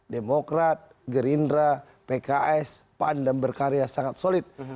demokrat gerindra pks pandan berkarya sangat solid